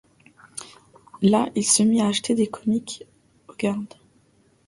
Là, il se mit à acheter des comics aux gardes.